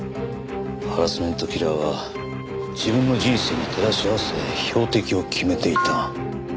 ハラスメントキラーは自分の人生に照らし合わせ標的を決めていた。